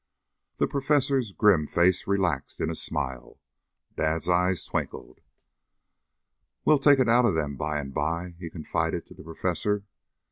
The Professor's grim face relaxed in a smile; Dad's eyes twinkled. "We'll take it out of them by and by," he confided to the Professor.